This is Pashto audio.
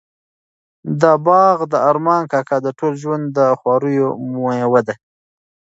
دا باغ د ارمان کاکا د ټول ژوند د خواریو مېوه ده.